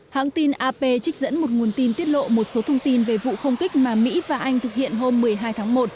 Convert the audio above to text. hãng tin ap trích dẫn một nguồn tin tiết lộ một số thông tin về vụ không kích mà mỹ và anh thực hiện hôm một mươi hai tháng một